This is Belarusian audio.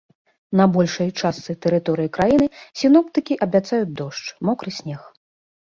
На большай частцы тэрыторыі краіны сіноптыкі абяцаюць дождж, мокры снег.